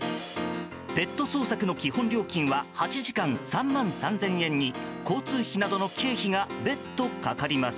ペット捜索の基本料金は８時間３万３０００円に交通費などの経費が別途かかります。